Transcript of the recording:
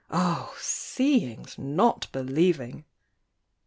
Oh! seeing's not believing!